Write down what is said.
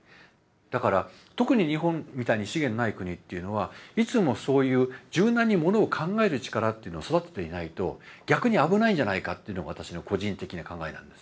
だから特に日本みたいに資源のない国っていうのはいつもそういう柔軟にものを考える力っていうのを育てていないと逆に危ないんじゃないかっていうのが私の個人的な考えなんです。